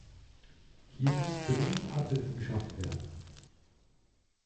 Hier muss dringend Abhilfe geschaffen werden.